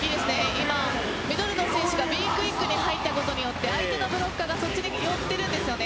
今、ミドルの選手がＢクイックに入ったことで相手のブロックがそっちに寄っているんですよね。